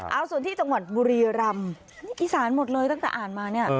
เอาส่วนที่จังหวัดบุรีรำกิษรหมดเลยตั้งแต่อ่านมา